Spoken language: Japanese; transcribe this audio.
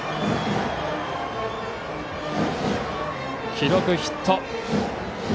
記録はヒット。